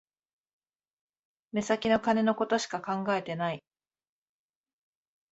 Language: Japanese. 目先の金のことしか考えてない